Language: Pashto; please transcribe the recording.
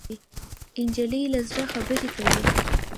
نجلۍ له زړه خبرې کوي.